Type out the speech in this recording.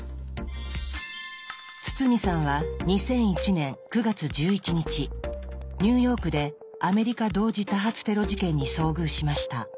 堤さんは２００１年９月１１日ニューヨークでアメリカ同時多発テロ事件に遭遇しました。